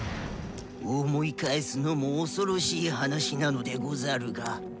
思い返すのも恐ろしい話なのでござるが。